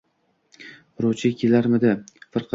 — Quruvchi kelarmidi, firqa bova.